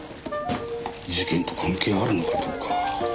事件と関係あるのかどうか。